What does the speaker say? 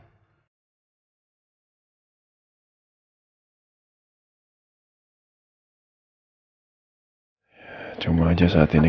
ya cuma aja saat ini